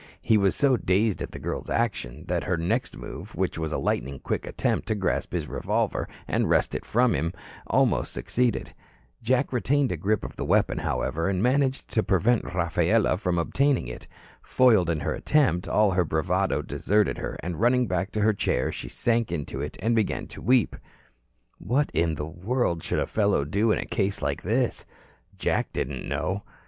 He was so dazed at the girl's action that her next move, which was a lightning quick attempt to grasp his revolver and wrest it from him, almost succeeded. Jack retained a grip on the weapon, however, and managed to prevent Rafaela from obtaining it. Foiled in her attempt, all her bravado deserted her and running back to her chair, she sank into it and began to weep. What in the world should a fellow do in a case like this? Jack didn't know.